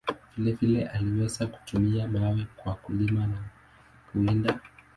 Vile vile, aliweza kutumia mawe kwa kulima na kuwinda.